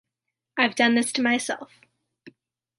I've done this to myself.